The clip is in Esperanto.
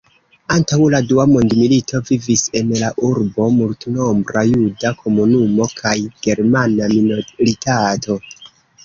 Antaŭ la dua mondmilito vivis en la urbo multnombra juda komunumo kaj germana minoritato.